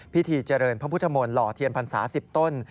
พิธีเจริญพระพุทธมนต์หล่อเทียนพรรษา๑๐ต้น